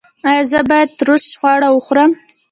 ایا زه باید ترش خواړه وخورم؟